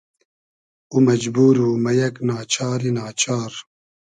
او مئجبور و مۂ یئگ نا چاری نا چار